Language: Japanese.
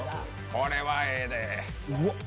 これはええで。